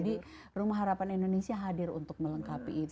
jadi rumah harapan indonesia hadir untuk melengkapi itu karena